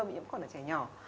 vì em còn là trẻ nhỏ